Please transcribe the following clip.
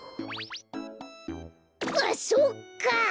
あっそっか！